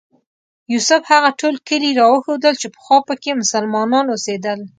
یوسف هغه ټول کلي راوښودل چې پخوا په کې مسلمانان اوسېدل.